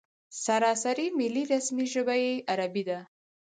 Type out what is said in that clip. سراسري ملي رسمي ژبه یې عربي ده.